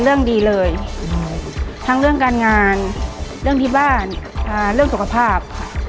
เรื่องดีเลยทั้งเรื่องการงานเรื่องที่บ้านเรื่องสุขภาพค่ะ